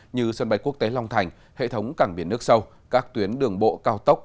như sân bay quốc tế long thành hệ thống cảng biển nước sâu các tuyến đường bộ cao tốc